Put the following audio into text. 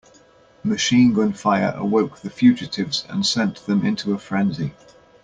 Machine gun fire awoke the fugitives and sent them into a frenzy.